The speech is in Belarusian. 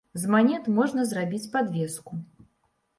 З манет можна зрабіць падвеску.